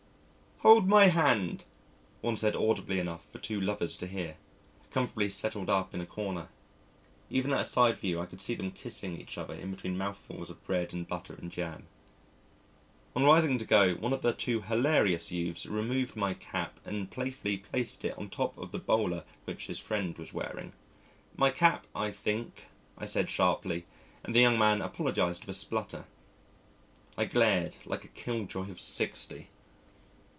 "Hold my hand," one said audibly enough for two lovers to hear, comfortably settled up in a corner. Even at a side view I could see them kissing each other in between mouthfuls of bread and butter and jam. On rising to go, one of the two hilarious youths removed my cap and playfully placed it on top of the bowler which his friend was wearing. "My cap, I think," I said sharply, and the young man apologised with a splutter. I glared like a kill joy of sixty.